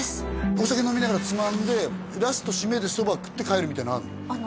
お酒飲みながらつまんでラスト締めでそば食って帰るみたいなのあんの？